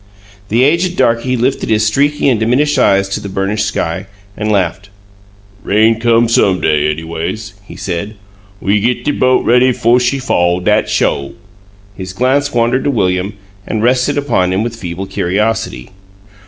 The aged darky lifted his streaky and diminished eyes to the burnished sky, and laughed. "Rain come some day, anyways," he said. "We git de boat ready 'fo' she fall, dat sho." His glance wandered to William and rested upon him with feeble curiosity.